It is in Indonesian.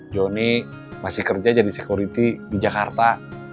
johnny masih kerja jadi security di jakarta